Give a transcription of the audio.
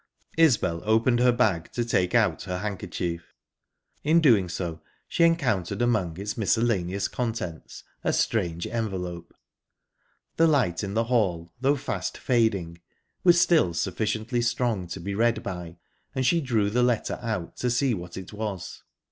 Isbel opened her bag to take out her handkerchief. In doing so, she encountered among its miscellaneous contents a strange envelope. The light in the hall, though fast fading, was still sufficiently strong to read by, and she drew the letter out to see what it was.